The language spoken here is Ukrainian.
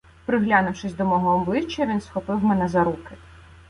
Приглянувшись до мого обличчя, він схопив мене за руки.